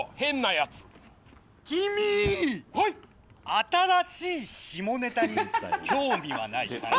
新しい下ネタに興味はないかい？